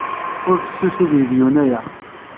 Ur fessus ad yeg yiwen aya.